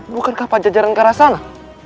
bukankah pajajaran ke arah sana